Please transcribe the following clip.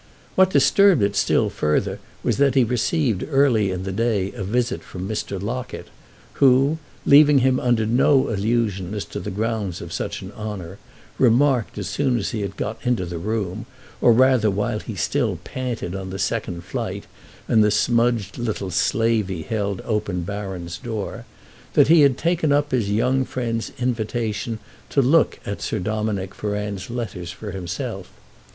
What disturbed it still further was that he received early in the day a visit from Mr. Locket, who, leaving him under no illusion as to the grounds of such an honour, remarked as soon as he had got into the room or rather while he still panted on the second flight and the smudged little slavey held open Baron's door, that he had taken up his young friend's invitation to look at Sir Dominick Ferrand's letters for himself.